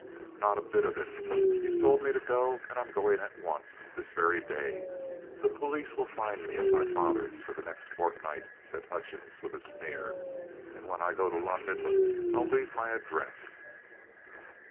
"Not a bit of it. You've told me to go, and I'm going at once this very day. The police will find me at my father's for the next fortnight," said Hutchings with a sneer. "And when I go to London I'll leave my address."